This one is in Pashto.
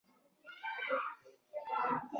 زړه د خیر نښه ده.